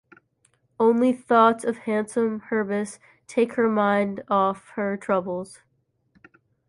Only thoughts of handsome Hebrus take her mind off her troubles.